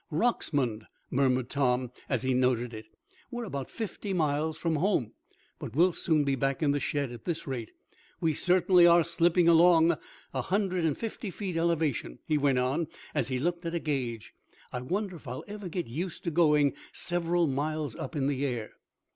"Rocksmond," murmured Tom, as he noted it. "We're about fifty miles from home, but we'll soon be back in the shed at this rate. We certainly are slipping along. A hundred and fifty feet elevation," he went on, as he looked at a gauge. "I wonder if I'll ever get used to going several miles up in the air?"